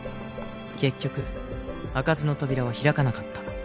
結局開かずの扉は開かなかった。